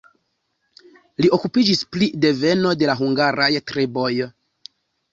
Li okupiĝis pri deveno de la hungaraj triboj.